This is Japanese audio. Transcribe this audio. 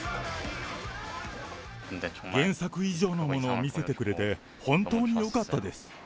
原作以上のものを見せてくれて、本当によかったです。